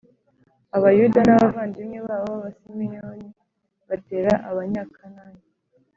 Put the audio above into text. abayuda n’abavandimwe babo b’abasimeyoni batera abanyakanani